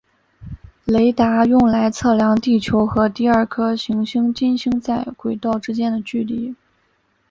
雷达用来测量地球和第二颗行星金星在轨道之间的距离。